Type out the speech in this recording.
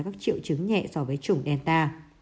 các triệu chứng nhẹ so với chủng delta